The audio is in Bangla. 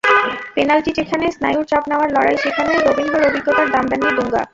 পেনাল্টি যেখানে স্নায়ুর চাপ নেওয়ার লড়াই, সেখানে রবিনহোর অভিজ্ঞতার দাম দেননি দুঙ্গা।